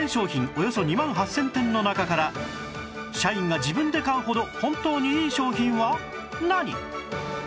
およそ２万８０００点の中から社員が自分で買うほど本当にいい商品は何？